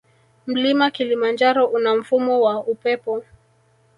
Mlima kilimanjaro una mfumo wa upepo